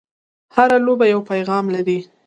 هره لوبه یو پیغام لري.